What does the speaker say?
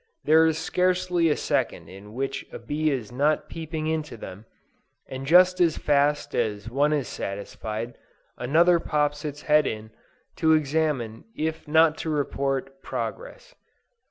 There is scarcely a second in which a bee is not peeping into them, and just as fast as one is satisfied, another pops its head in, to examine if not to report, progress.